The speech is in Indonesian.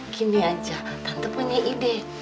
gini aja tante punya ide